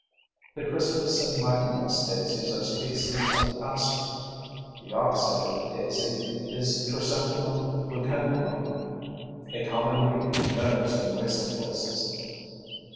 The Christmas and Michaelmas daisies are species of Aster; the ox eye daisy is Chrysanthemum Leucanthemum, a common weed in meadows and waste places.